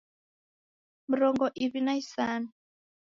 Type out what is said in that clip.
Mrongo iw'i na isanu